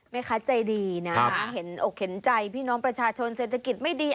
แม่ค้าใจดีนะเห็นอกเห็นใจพี่น้องประชาชนเศรษฐกิจไม่ดี